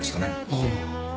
ああ。